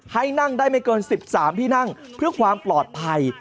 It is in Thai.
ให้นั่งได้ไม่เกิน๑๓ที่นั่งเพื่อความปลอดภัย